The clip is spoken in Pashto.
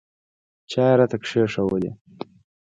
چای یې راته کښېښوولې.